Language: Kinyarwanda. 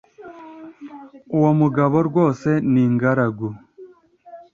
Uwo mugabo rwose ni ingaragu